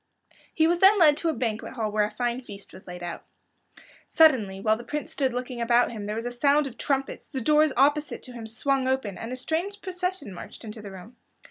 He was then led to a banquet hall where a fine feast was laid out. Suddenly, while the Prince stood looking about him there was a sound of trumpets; the doors opposite to him swung open, and a strange procession marched into the room.